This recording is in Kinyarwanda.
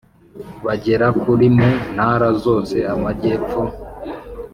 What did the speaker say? bagera kuri mu Ntara zose Amajyepfo